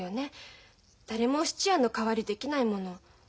誰も質屋の代わりできないもの。